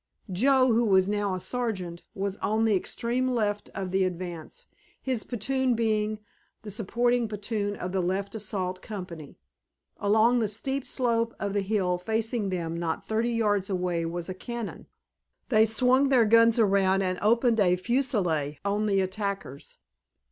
Joe, who was now a sergeant, was on the extreme left of the advance, his platoon being the supporting platoon of the left assault company. Along the steep slope of the hill facing them not thirty yards away was a cannon. They swung their guns around and opened a fusillade on the attackers.